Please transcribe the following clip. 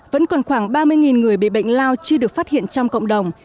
vẫn còn khoảng ba mươi người bị bệnh lao chưa được phát hiện trong cộng đồng